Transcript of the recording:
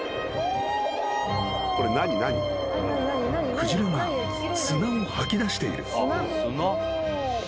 ［クジラが砂を吐き出している］